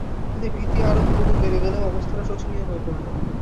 এতে ভীতি আরো বহুগুণ বেড়ে গেল এবং অবস্থা আরো শোচনীয় হয়ে পড়ল।